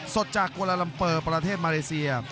สดจากกวาลาลัมเปอร์ประเทศมาเลเซีย